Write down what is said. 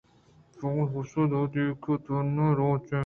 پُگُل پسّہ دِئینت ایوّکءُ تہناہیں روچ